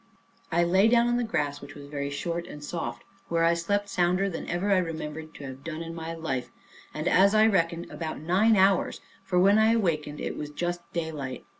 I lay down on the grass, which was very short and soft, where I slept sounder than ever I remembered to have done in my life, and, as I reckoned, about nine hours; for when I awaked it was just daylight.